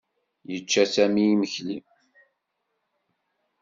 Yečča Sami imekli.